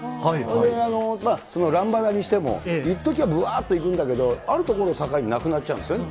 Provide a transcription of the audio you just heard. それで、ランバダにしても、一時はぶわーっといくんだけれども、あるところを境に、なくなっちゃうんですよね。